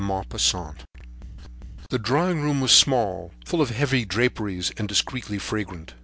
THE LOG The drawing room was small, full of heavy draperies and discreetly fragrant.